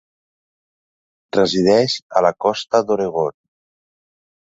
Resideix a la Costa d'Oregon.